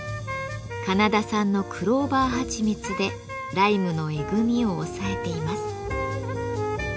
カナダ産のクローバーはちみつでライムのえぐみを抑えています。